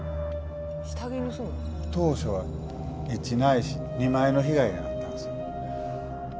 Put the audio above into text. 当初は１ないし２枚の被害があったんですよ。